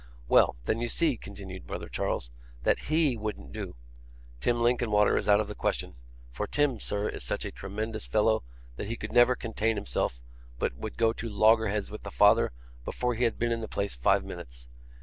'Well; then you see,' continued brother Charles, 'that HE wouldn't do. Tim Linkinwater is out of the question; for Tim, sir, is such a tremendous fellow, that he could never contain himself, but would go to loggerheads with the father before he had been in the place five minutes.